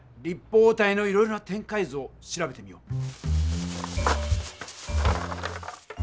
立方体のいろいろな展開図を調べてみよう。